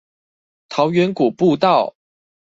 桃源谷步道